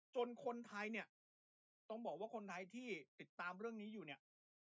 คนไทยเนี่ยต้องบอกว่าคนไทยที่ติดตามเรื่องนี้อยู่เนี่ย